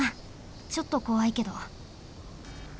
ちょっとこわいけど。